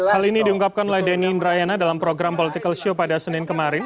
hal ini diungkapkan oleh denny indrayana dalam program political show pada senin kemarin